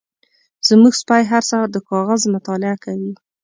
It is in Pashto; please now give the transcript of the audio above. زمونږ سپی هر سهار د کاغذ مطالعه کوي.